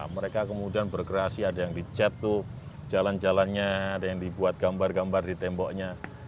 mereka kemudian berkreasi ada yang dicet tuh jalan jalannya ada yang dibuat gambar gambar di temboknya